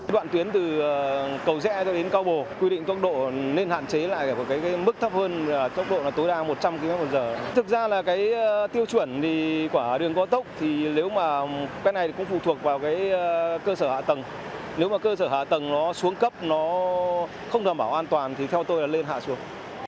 đoạn tuyến từ cầu rẽ cho đến cao bồ quy định tốc độ nên hạn chế lại ở cái mức thấp hơn tốc độ tối đa một trăm linh km một giờ thực ra là cái tiêu chuẩn của đường cao tốc thì nếu mà cái này cũng phụ thuộc vào cơ sở hạ tầng nếu mà cơ sở hạ tầng nó xuống cấp nó không đảm bảo an toàn thì theo tôi là lên hạ xuống